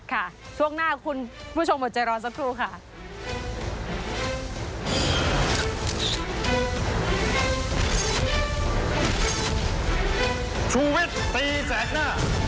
ช่วงหน้าคุณผู้ชมอดใจรอสักครู่ค่ะ